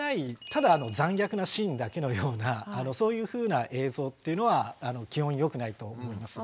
ただ残虐なシーンだけのようなそういうふうな映像っていうのは基本よくないと思います。